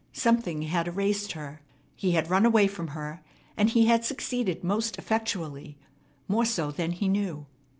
Something had erased her. He had run away from her, and he had succeeded most effectually, more so than he knew.